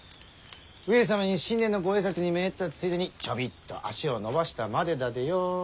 上様に新年のご挨拶に参ったついでにちょびっと足をのばしたまでだでよ。